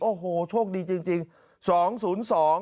โอ้โหโชคดีจริง